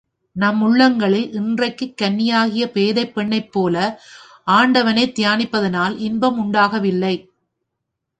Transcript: நம் உள்ளங்களில் இன்றைக்குக் கன்னியாகிய பேதைப் பெண்ணைப் போல ஆண்டவனைத் தியானிப்பதனால் இன்பம் உண்டாகவில்லை.